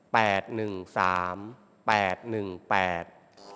หนึ่งสามแปดหนึ่งแปด